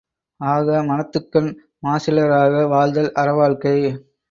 ஆக மனத்துக்கண் மாசிலராக வாழ்தல் அற வாழ்க்கை.